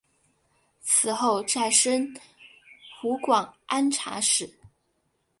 此后再升湖广按察使。